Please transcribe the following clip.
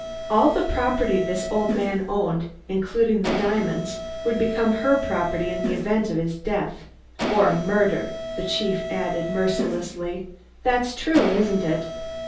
"All the property this old man owned, including the diamonds, would become her property in the event of his death or murder," the chief added mercilessly. "That's true, isn't it?"